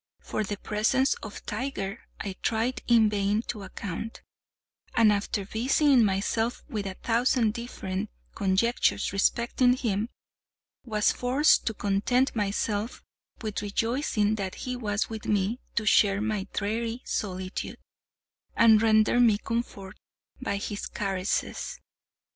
For the presence of Tiger I tried in vain to account; and after busying myself with a thousand different conjectures respecting him, was forced to content myself with rejoicing that he was with me to share my dreary solitude, and render me comfort by his caresses.